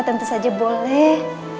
tentu saja boleh